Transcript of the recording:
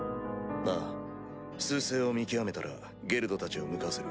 ああ趨勢を見極めたらゲルドたちを向かわせる。